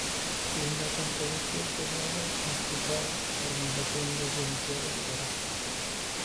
Linda con Colegios, Juzgados, Hospital, Urbanizaciones Residenciales y Carreteras.